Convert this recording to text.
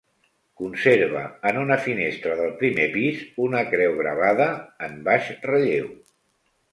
Conserva, en una finestra del primer pis, una creu gravada en baix relleu.